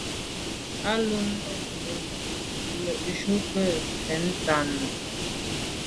A lo be num mo’ le’njù à nke mfe ntàne.